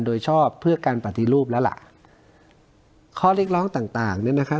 โดยชอบเพื่อการปฏิรูปแล้วล่ะข้อเรียกร้องต่างต่างเนี่ยนะคะ